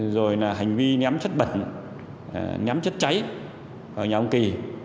rồi là hành vi ném chất bẩn nhắm chất cháy vào nhà ông kỳ